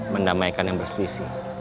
mendamaikan yang berselisih